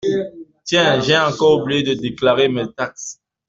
Tiens j'ai encore oublié de déclarer mes taxes.